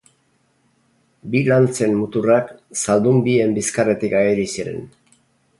Bi lantzen muturrak zaldun bien bizkarretik ageri ziren.